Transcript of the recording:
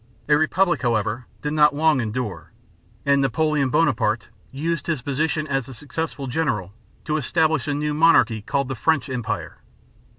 A republic, however, did not long endure; and Napoleon Bonaparte used his position as a successful general to establish a new monarchy called the French Empire.